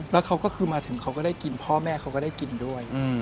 แล้วเขาก็คือมาถึงเขาก็ได้กินพ่อแม่เขาก็ได้กินด้วย